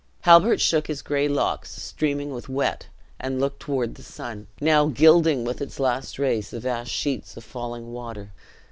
Halbert shook his gray locks, streaming with wet, and looked toward the sun, now gliding with its last rays the vast sheets of falling water.